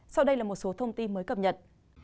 sau đây là một số thông tin mới cập nhật